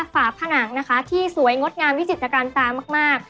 ฝาผนังนะคะที่สวยงดงามวิจิตรการตามาก